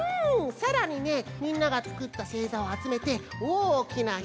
さらにねみんながつくったせいざをあつめておおきなひとつのよ